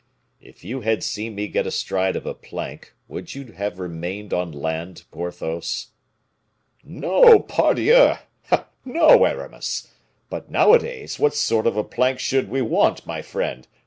"If you had seen me get astride of a plank, would you have remained on land, Porthos?" "No, pardieu! No, Aramis. But, nowadays, what sort of a plank should we want, my friend!